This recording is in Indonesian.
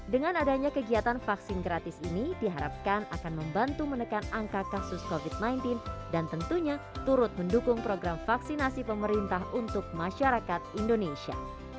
dengan adanya kegiatan vaksin gratis ini diharapkan akan membantu menekan angka kasus covid sembilan belas dan tentunya turut mendukung program vaksinasi pemerintah untuk masyarakat indonesia